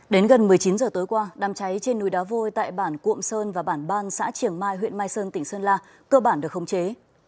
đến gần một mươi chín h tối qua đàm cháy trên núi đá vôi tại bản cuộm sơn và bản ban xã triển mai huyện mai sơn tỉnh sơn la cơ bản được khống chế